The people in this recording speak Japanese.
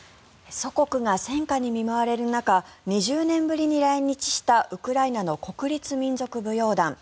祖国が戦火に見舞われる中２０年ぶりに来日したウクライナの国立民族舞踊団。